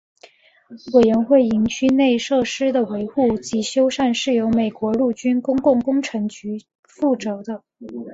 委员会营区内设施的维护及修缮是由美国陆军公共工程局负责的。